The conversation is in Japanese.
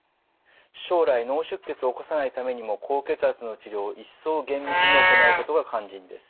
将来脳出血を起こさないためにも高血圧の治療を一層厳密に行うことが肝心です。